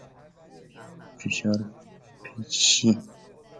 فشار پیچشی